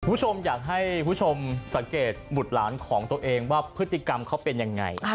คุณผู้ชมอยากให้คุณผู้ชมสังเกตบุตรหลานของตัวเองว่าพฤติกรรมเขาเป็นยังไง